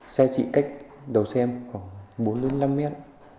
xe chị cách đầu xe em khoảng bốn năm mét